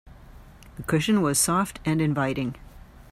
The cushion was soft and inviting.